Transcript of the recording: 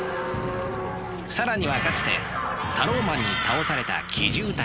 更にはかつてタローマンに倒された奇獣たちも。